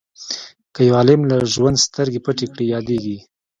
که یو عالم له ژوند سترګې پټې کړي یادیږي.